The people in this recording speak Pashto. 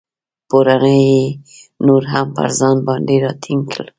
پوړنی یې نور هم پر ځان باندې را ټینګ کړ.